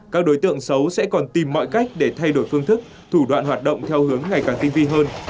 các đối tượng xấu sẽ còn tìm mọi cách để thay đổi phương thức thủ đoạn hoạt động theo hướng ngày càng tinh vi hơn